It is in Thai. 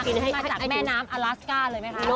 มาจากแม่น้ำอลาสก้าเลยไหมคะ